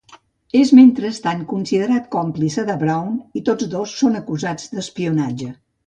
És, mentrestant, considerat còmplice de Brown i tots dos són acusats d'espionatge.